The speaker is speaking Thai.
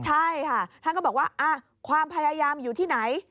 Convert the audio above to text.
ใช่ค่ะท่านก็บอกว่าความพยายามอยู่ที่ไหน